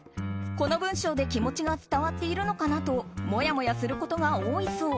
この文章で気持ちが伝わっているのかともやもやすることが多いそう。